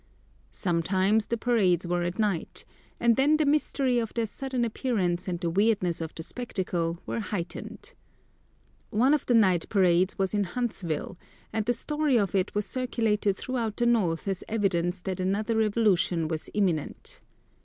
Sometimes the parades were at night, and then the mystery of their sudden appearance and the weirdness of the spectacle were heightened. One of the night parades was in Huntsville, and the story of it was circulated throughout the north as evidence that another revolution was imminent.